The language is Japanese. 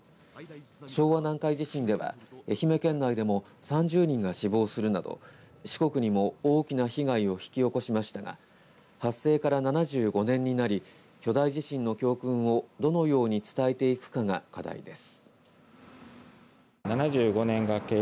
昭和南海地震では愛媛県内でも３０人が死亡するなど四国にも大きな被害を引き起こしましたが発生から７５年になり巨大地震の教訓をどのように伝えていくかが課題です。